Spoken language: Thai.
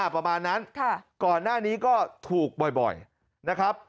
ประมาณนั้นก่อนหน้านี้ก็ถูกบ่อยนะครับ